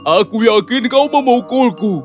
aku yakin kau memukulku